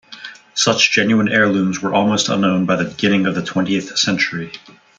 Such genuine heirlooms were almost unknown by the beginning of the twentieth century.